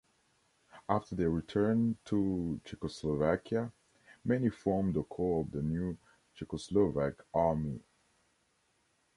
After their return to Czechoslovakia, many formed the core of the new Czechoslovak Army.